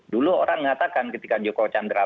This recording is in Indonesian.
dulu orang mengatakan ketika joko chandra